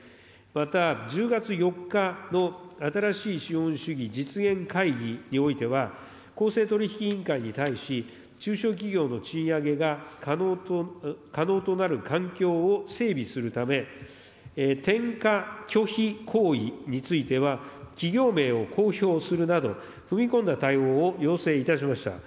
また、１０月４日の新しい資本主義実現会議においては、公正取引委員会に対し、中小企業の賃上げが可能となる環境を整備するため、転嫁拒否行為については、企業名を公表するなど、踏み込んだ対応を要請いたしました。